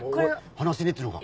話せねえっつうのか？